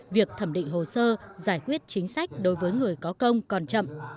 việc thẩm định hồ sơ giải quyết chính sách đối với người có công còn chậm